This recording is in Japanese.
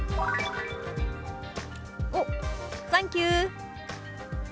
「おサンキュー」。